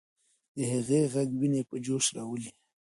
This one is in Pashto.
د هغې ږغ ويني په جوش راوړلې.